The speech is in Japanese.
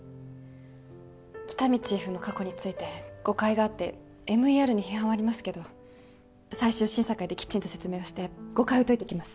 喜多見チーフの過去について誤解があってＭＥＲに批判はありますけど最終審査会できちんと説明をして誤解を解いてきます